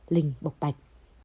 linh bộc bạch